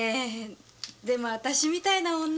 でも私みたいな女が。